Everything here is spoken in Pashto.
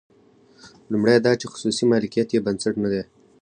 لومړی دا چې خصوصي مالکیت یې بنسټ نه دی.